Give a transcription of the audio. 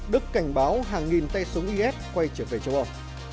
đức cảnh báo hàng nghìn tay súng is quay trở về châu âu